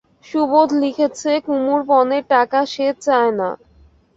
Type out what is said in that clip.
সুবোধ লিখেছে কুমুর পণের টাকা সে চায় না।